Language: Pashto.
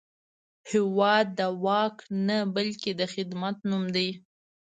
هېواد د واک نه، بلکې د خدمت نوم دی.